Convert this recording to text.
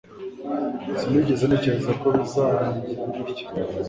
Sinigeze ntekereza ko bizarangira gutya